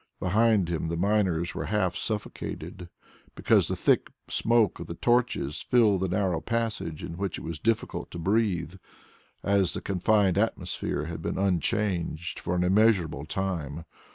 Behind him the miners were half suffocated because the thick smoke of the torches filled the narrow passage in which it was difficult to breathe, as the confined atmosphere had been unchanged for an immeasurable time.